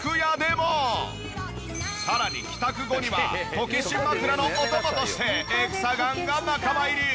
さらに帰宅後にはこけし枕のお供としてエクサガンが仲間入り！